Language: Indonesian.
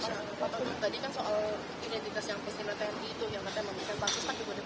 bapak tadinya soal identitas yang pasti mereka yang gitu